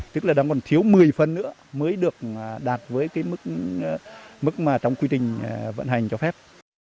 tức là đang còn thiếu một mươi phần nữa mới được đạt với mức mà trong quy trình vận hành cho phép